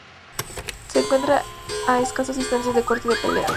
Se encuentra a escasa distancia de Corte de Peleas.